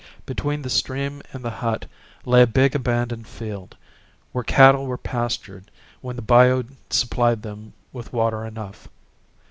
Between the stream and the hut lay a big abandoned field, where cattle were pastured when the bayou supplied them with water enough.